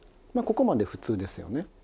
まあここまで普通ですよね。